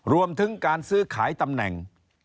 รวมถึงการซื้อขายตำแหน่ง